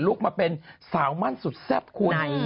มาเป็นสาวมั่นสุดแซ่บคุณ